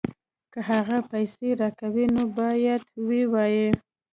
که هغوی پیسې راکوي نو باید ووایو